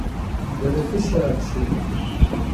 Berefışe apşiy!